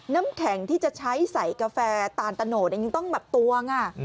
น้ำแข็งที่จะใช้ใส่กาแฟตาลตะโนดยังต้องแบบตวง